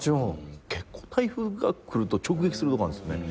結構台風が来ると直撃するとこなんですよね。